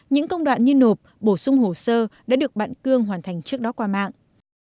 những công đoạn như nộp bổ sung hồ sơ đã được bạn cương hoàn thành trước đó qua mạng